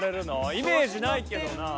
イメージないけどなあ。